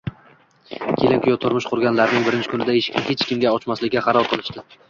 Kelin-kuyov turmush qurganlarining birinchi kunida eshikni hech kimga ochmaslikka qaror qilishdi